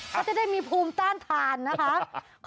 เขาจะได้มีภูมิต้านทานนะคะ